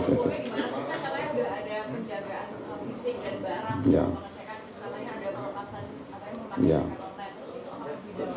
kalau mengecekkan itu kalau yang ada perempuan yang memakai pengecekan online